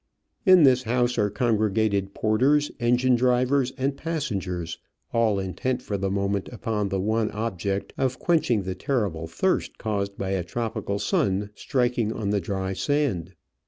In this house are congre gated porters, engine drivers, and passengers, all intent for the moment upon the one object of quenching the terrible thirst caused by a tropical sun striking on the Digitized by VjOOQIC OF AN Orchid Hunter, 41 dry sand.